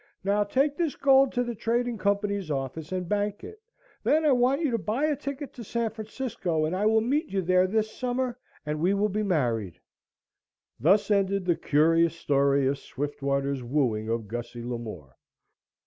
"Now, take this gold to the Trading Company's office and bank it. Then I want you to buy a ticket to San Francisco and I will meet you there this summer and we will be married." Thus ended the curious story of Swiftwater's wooing of Gussie Lamore.